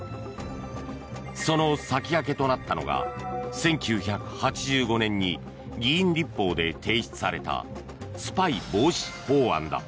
その先駆けとなったのが１９８５年に議員立法で提出されたスパイ防止法案だ。